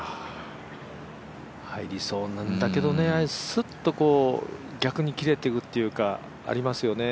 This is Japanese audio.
入りそうなんだけど、すっと逆に切れていくというか、ありますよね。